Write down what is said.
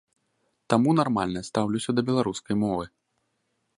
Таму нармальна стаўлюся да беларускай мовы.